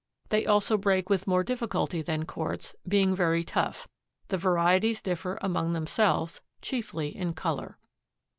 They also break with more difficulty than quartz, being very tough. The varieties differ among themselves, chiefly in color.